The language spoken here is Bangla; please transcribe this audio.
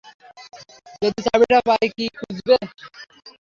যদি চাবিটা পাই, কী খুঁজব?